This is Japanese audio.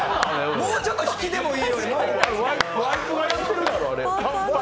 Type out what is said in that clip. もうちょっと引きでもいいのに。